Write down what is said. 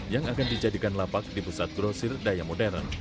yang akan dijadikan lapak di pusat grosir daya modern